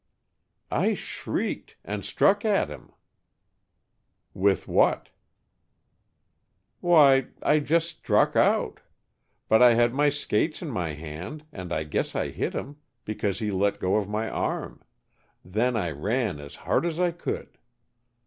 "I shrieked and struck at him " "What with?" "Why, I just struck out. But I had my skates in my hand and I guess I hit him, because he let go of my arm. Then I ran as hard as I could."